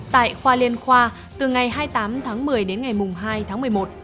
tại khoa liên khoa từ ngày hai mươi tám tháng một mươi đến ngày hai tháng một mươi một